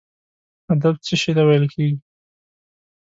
ادب څه شي ته ویل کیږي؟